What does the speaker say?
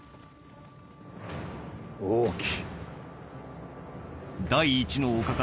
王騎。